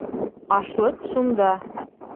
Ашлыҡ шунда.